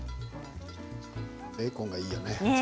ベーコンがいいよね。